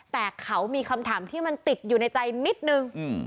แต่เขามีคำถามที่มันติดอยู่ในใจนิดนึง